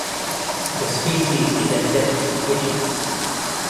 The species is endemic to Guinea.